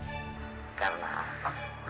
hai kalau mau ngarut